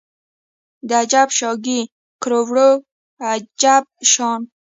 د اجب شاګۍ کروړو عجب شان